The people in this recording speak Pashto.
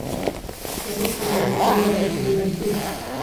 يوه قوماندان وويل: پرې ورځو!